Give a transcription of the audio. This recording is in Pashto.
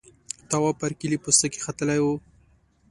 تواب پر کيلې پوستکي ختلی و.